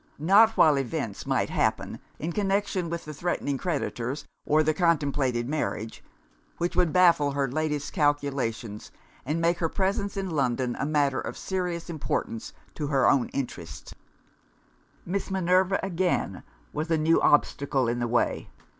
Not while events might happen in connection with the threatening creditors or the contemplated marriage which would baffle her latest calculations, and make her presence in London a matter of serious importance to her own interests. Miss Minerva, again, was a new obstacle in the way.